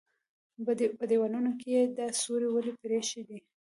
_په دېوالونو کې يې دا سوري ولې پرېښي دي؟